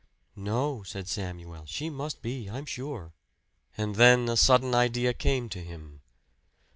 "No," said Samuel. "She must be, I'm sure." And then a sudden idea came to him.